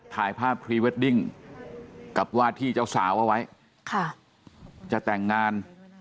ถ่ายภาพพรีเวดดิ้งกับว่าที่เจ้าสาวเอาไว้ค่ะจะแต่งงาน